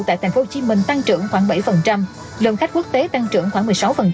tại tp hcm tăng trưởng khoảng bảy lượng khách quốc tế tăng trưởng khoảng một mươi sáu